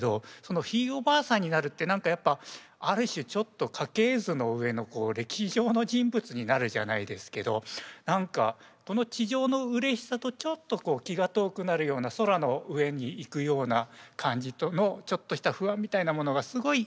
ひいおばあさんになるって何かやっぱある種ちょっと家系図の上の歴史上の人物になるじゃないですけど何かこの地上のうれしさとちょっと気が遠くなるような空の上に行くような感じとのちょっとした不安みたいなものがすごい